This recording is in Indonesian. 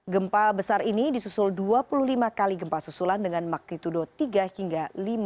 gempa besar ini disusul dua puluh lima kali gempa susulan dengan magnitudo tiga hingga lima